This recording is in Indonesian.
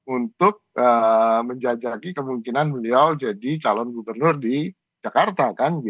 untuk menjajaki kemungkinan beliau jadi calon gubernur di jakarta